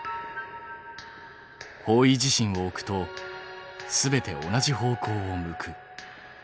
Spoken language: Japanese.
方位磁針を置くと全て同じ方向を向く。